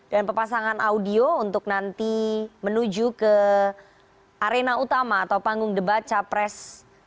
dan pepasangan audio untuk nanti menuju ke arena utama atau panggung debat capres dua ribu dua puluh empat